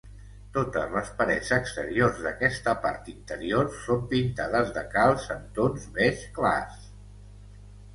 Totes les parets exteriors d'aquesta part interior són pintades de calç amb tons beix clars.